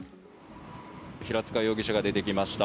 平塚容疑者が出てきました。